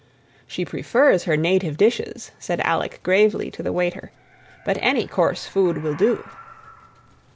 "She prefers her native dishes," said Alec gravely to the waiter, "but any coarse food will do."